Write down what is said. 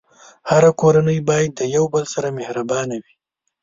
هره کورنۍ باید د یو بل سره مهربانه وي.